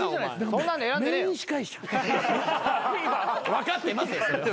分かってますよそれは。